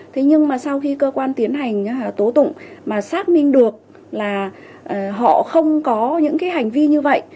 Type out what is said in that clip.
thế nhưng mà sau khi cơ quan tiến hành tố tụng mà xác minh được là họ không có những cái hành vi như vậy